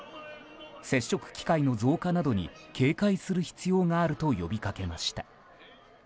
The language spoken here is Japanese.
接触機会の増加などに警戒する必要があると呼びかけました。